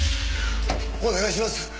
お願いします！